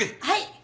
はい。